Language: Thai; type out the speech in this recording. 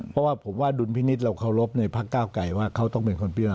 เพราะว่าผมว่าดุลพินิษฐ์เราเคารพในพักเก้าไก่ว่าเขาต้องเป็นคนพิจารณา